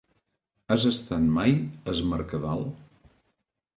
Has estat mai a Es Mercadal?